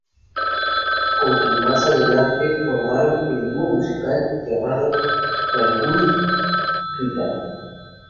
Con quien más adelante formaron el dúo musical llamado "Gannguli-Pritam".